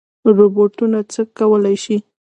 روبوټونه څه کولی شي؟